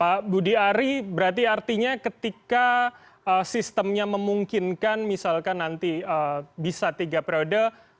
pak budi ari berarti artinya ketika sistemnya memungkinkan misalkan nanti bisa tiga periode